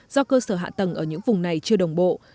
do cơ sở hạ tầng ở những vùng này chưa đồng bộ